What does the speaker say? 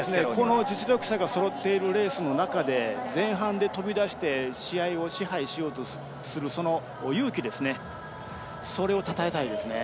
実力者がそろっているレースの中で前半で飛び出して試合を支配しようとするその勇気をたたえたいですね。